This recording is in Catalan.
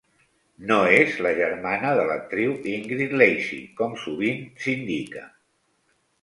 No és la germana de l'actriu Ingrid Lacey com sovint s'indica.